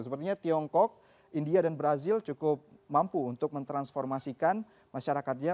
sepertinya tiongkok india dan brazil cukup mampu untuk mentransformasikan masyarakatnya